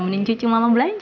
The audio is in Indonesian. sama nemenin cucu mama belanja